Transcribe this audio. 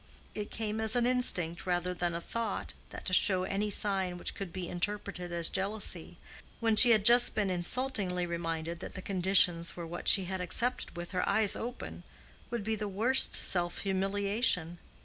It came as an instinct rather than a thought, that to show any sign which could be interpreted as jealousy, when she had just been insultingly reminded that the conditions were what she had accepted with her eyes open, would be the worst self humiliation.